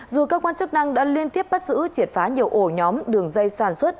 dù cơ quan chức năng đã liên tiếp bắt giữ triệt phá nhiều ổ nhóm đường dây sản xuất